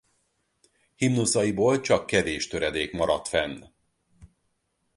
Himnuszaiból csak kevés töredék maradt fenn.